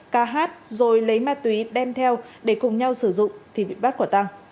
ca hát rồi lấy ma túy đem theo để cùng nhau sử dụng thì bị bắt quả tăng